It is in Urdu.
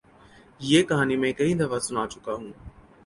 یہ کہانی میں کئی دفعہ سنا چکا ہوں۔